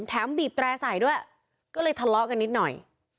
บีบแตร่ใส่ด้วยก็เลยทะเลาะกันนิดหน่อย